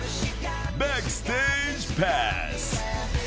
バックステージパス。